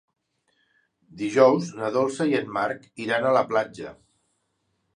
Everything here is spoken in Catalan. Dijous na Dolça i en Marc iran a la platja.